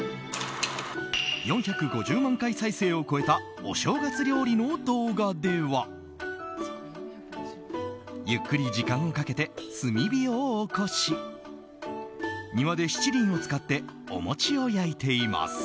４５０万回再生を超えたお正月料理の動画ではゆっくり時間をかけて炭火をおこし庭で七輪を使ってお餅を焼いています。